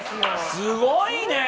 すごいね。